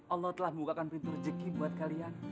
allah telah membukakan pintu rejeki buat kalian